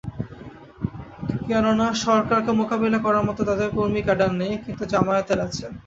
কেননা সরকারকে মোকাবিলা করার মতো তাদের কর্মী-ক্যাডার নেই, কিন্তু জামায়াতের আছে।